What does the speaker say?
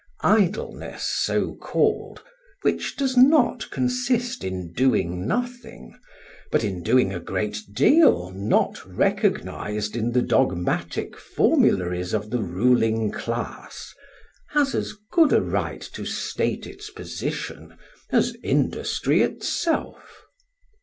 Idleness so called, which does not consist in doing nothing, but in doing a great deal not recognised in the dogmatic formularies of the ruling class, has as good a right to state its position as industry itself.